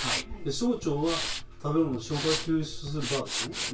小腸は食べ物を消化・吸収する場ですね。